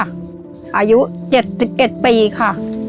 อายุ๗๑ปีค่ะ